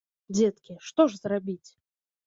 Не плач, дзеткі, што ж зрабіць.